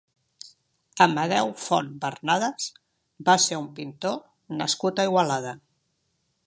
Amadeu Font Bernades va ser un pintor nascut a Igualada.